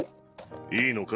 いいのか？